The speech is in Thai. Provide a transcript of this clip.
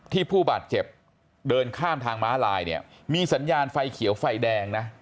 ผู้บาดเจ็บเดินข้ามทางม้าลายเนี่ยมีสัญญาณไฟเขียวไฟแดงนะ